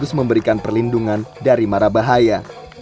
dan juga memberikan perlindungan dari mara bahaya